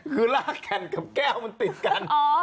คือรากแข่งกับแก้วมันติดกัน